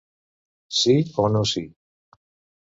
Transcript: Sí o no sí.